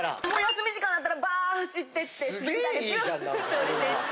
休み時間なったらバーッ走ってって滑り台でビューッて下りていって。